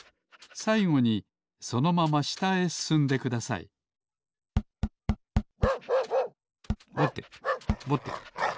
さいごにそのまましたへすすんでくださいぼてぼてぼて。